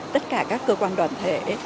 tất cả các cơ quan đoàn thể